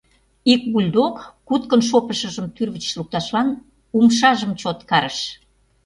Ик бульдог куткын шопышыжым тӱрвыч лукташлан умшажым чот карыш.